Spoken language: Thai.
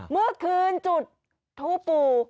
เมืองคืนจุดทู่ปู